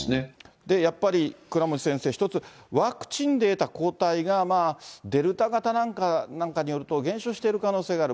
やっぱり倉持先生、一つ、ワクチンで得た抗体がデルタ型なんかによると、減少している可能性がある。